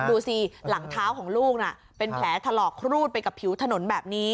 ดูสิหลังเท้าของลูกน่ะเป็นแผลถลอกครูดไปกับผิวถนนแบบนี้